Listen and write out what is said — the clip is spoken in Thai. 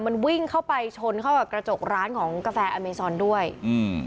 มันวิ่งเข้าไปชนเข้ากับกระจกร้านของกาแฟอเมซอนด้วยอืม